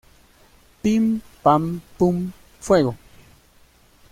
Pim, pam, pum... ¡fuego!